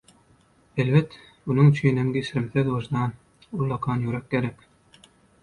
Elbet, munuň üçinem geçirimsiz wyjdan, ullakan ýürek gerek.